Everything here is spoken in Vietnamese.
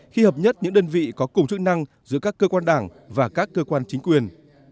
khi hợp nhất những đơn vị có cùng chức năng giữa các cơ quan đảng và các cơ quan chính quyền